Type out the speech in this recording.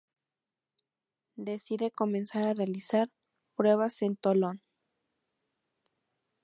Decide comenzar a realizar pruebas en Tolón.